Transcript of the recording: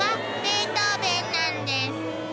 「ベートーヴェンなんです」